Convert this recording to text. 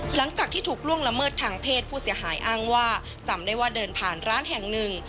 หลังจากที่ถูกล่วงละเมิดทางเพศผู้เสียหายอ้างว่าจำได้ว่าเดินผ่านร้านแห่งหนึ่ง